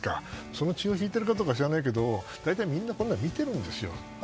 その血を引いているかどうか知らないけど大体、みんなこんなの見ているんですよ。